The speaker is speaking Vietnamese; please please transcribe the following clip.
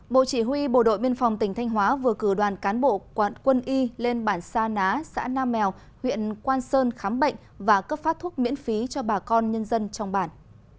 bộ chỉ huy bộ đội biên phòng tỉnh thanh hóa vừa cử đoàn cán bộ quân y lên bản sa ná xã nam mèo huyện quang sơn khám bệnh và cấp phát thuốc miễn phí cho bà con nhân dân trong bản